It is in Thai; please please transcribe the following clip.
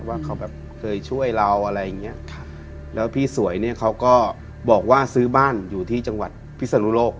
ว่าเขาแบบเคยช่วยเราอะไรอย่างเงี้ยครับแล้วพี่สวยเนี่ยเขาก็บอกว่าซื้อบ้านอยู่ที่จังหวัดพิศนุโลก